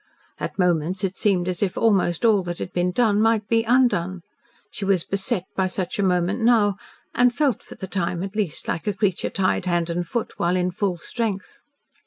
At moments it seemed as if almost all that had been done might be undone. She was beset by such a moment now, and felt for the time, at least, like a creature tied hand and foot while in full strength.